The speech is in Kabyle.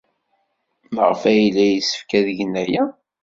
Maɣef ay yella yessefk ad gen aya?